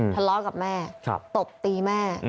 ทะเลาะกับแม่ตบตีแม่